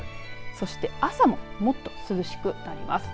そして朝ももっと涼しくなります。